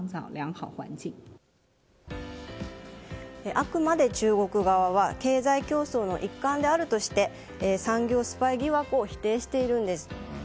あくまで中国側は経済競争の一環であるとして産業スパイ疑惑を否定しています。